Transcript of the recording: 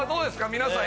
皆さん